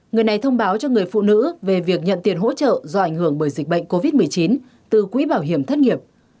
người này thông báo cho người phụ nữ về việc nhận tiền hỗ trợ do ảnh hưởng bởi dịch bệnh covid một mươi chín từ quỹ bảo hiểm thất nghiệp